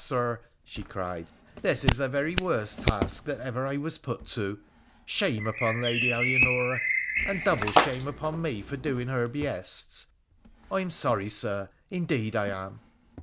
Sir,' she cried, ' this is the very worst task that ever I was put to ! Shame upon Lady Alianora, and double shame upon me for doing her behests. I am sorry, Sir! indeed I am